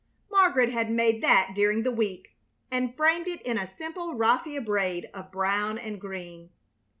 Margaret had made that during the week and framed it in a simple raffia braid of brown and green.